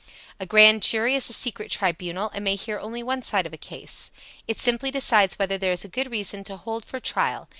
A grand jury is a secret tribunal, and may hear only one side of a case. It simply decides whether there is good reason to hold for trial.